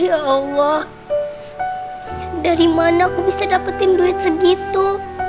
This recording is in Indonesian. ya allah dari mana aku bisa dapetin duit segitu